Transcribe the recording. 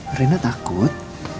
hah rena takut